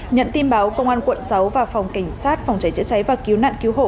nhận tin báo công an quận sáu và phòng cảnh sát phòng cháy chữa cháy và cứu nạn cứu hộ